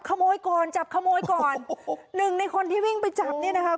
ขโมยก่อนจับขโมยก่อนหนึ่งในคนที่วิ่งไปจับเนี่ยนะคะ